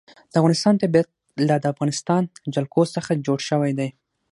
د افغانستان طبیعت له د افغانستان جلکو څخه جوړ شوی دی.